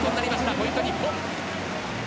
ポイントは日本。